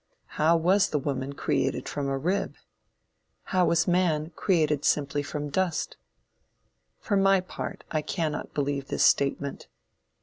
How was the woman created from a rib? How was man created simply from dust? For my part, I cannot believe this statement.